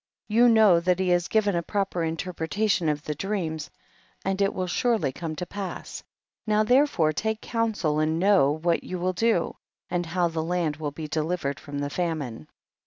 3. You know that he has given a proper interpretation of the dream, and it will surely come to pass, now therefore take counsel and know what you will do and how ihe land will be delivered from the famine.